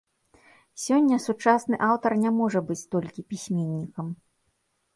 Сёння сучасны аўтар не можа быць толькі пісьменнікам.